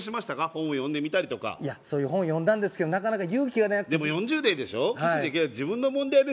本を読んでみたりとかいやそういう本読んだんですけどなかなか勇気が出なくてでも４０代でしょキスできないって自分の問題でしょ